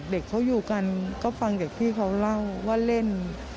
เด็กเขาอยู่กันก็ฟังจากพี่เขาเล่าว่าเล่น